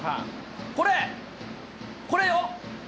これ、これよ。